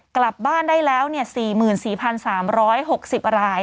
กลับบ้านได้แล้ว๔๔๓๖๐ราย